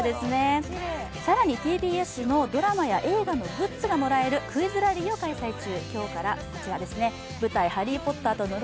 更にＴＢＳのドラマや映画のグッズがもらえるクイズラリーを開催中。